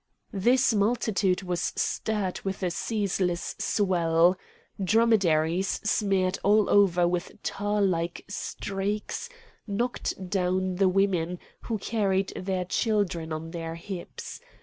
This multitude was stirred with a ceaseless swell. Dromedaries, smeared all over with tar like streaks, knocked down the women, who carried their children on their hips.